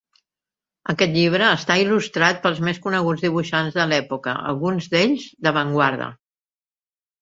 Aquest llibre està il·lustrat pels més coneguts dibuixants de l'època, alguns d'ells d'avantguarda.